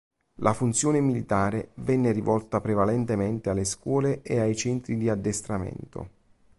La funzione militare venne rivolta prevalentemente alle scuole e ai centri di addestramento.